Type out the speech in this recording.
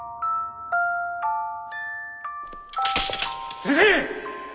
先生！